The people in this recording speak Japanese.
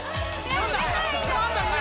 何だ？